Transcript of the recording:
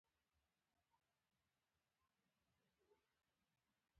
هغوی د نازک خوبونو د لیدلو لپاره ناست هم وو.